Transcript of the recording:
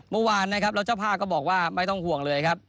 เมื่อวานนะครับแล้วเจ้าภาพก็บอกว่าไม่ต้องห่วงเลยครับ